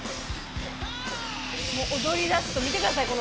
踊りだすと見てください。